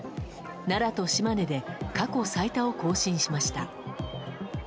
奈良と島根で過去最多を更新しました。